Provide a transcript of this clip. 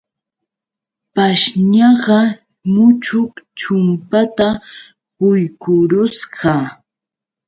Pashñaqa muchuq chumpata quykurusqa.